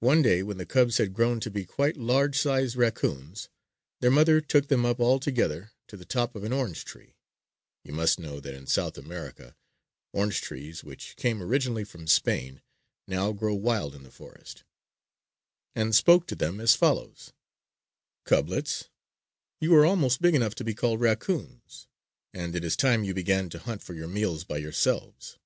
One day when the cubs had grown to be quite large sized raccoons, their mother took them up all together to the top of an orange tree you must know that in South America orange trees, which came originally from Spain, now grow wild in the forest and spoke to them as follows: "Cublets, you are almost big enough to be called raccoons; and it is time you began to hunt for your meals by yourselves.